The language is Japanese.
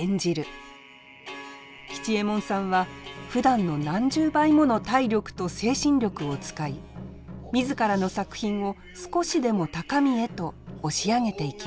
吉右衛門さんはふだんの何十倍もの体力と精神力を使い自らの作品を少しでも高みへと押し上げていきます。